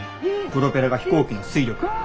プロペラが飛行機の推力